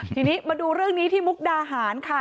ทีนี้มาดูเรื่องนี้ที่มุกดาหารค่ะ